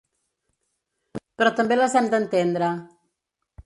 Però també les hem d’entendre.